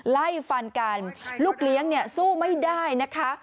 ไล่ฟันกันลูกเลี้ยงเนี่ยสู้ไม่ได้นะคะ